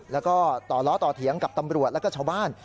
แล้วก็ต่อล้อต่อเถียงกับตำรวจแล้วก็ชาวบ้าน